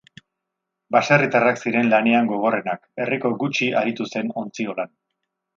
Baserritarrak ziren lanean gogorrenak; herriko gutxi aritu zen ontziolan.